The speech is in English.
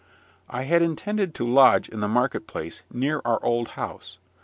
I had intended to lodge in the market place, near our old house.